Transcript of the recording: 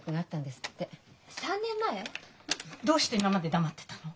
どうして今まで黙ってたの？